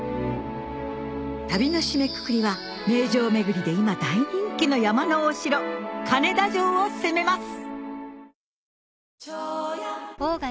旅の締めくくりは名城巡りで今大人気の山のお城金田城を攻めます！